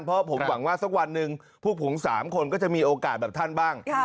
เพราะผมหวังว่าสักวันหนึ่งพวกผม๓คนก็จะมีโอกาสแบบท่านบ้าง